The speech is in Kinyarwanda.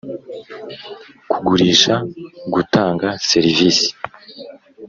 Kugurisha gutanga serivisi